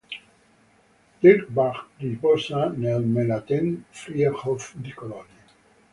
Dirk Bach riposa nel Melaten-Friedhof di Colonia.